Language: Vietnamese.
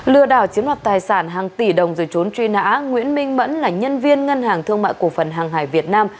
lừa đảo chiếm đoạt tài sản hàng tỷ đồng rồi trốn truy nã nguyễn minh mẫn là nhân viên ngân hàng thương mại cổ phần hàng hải việt nam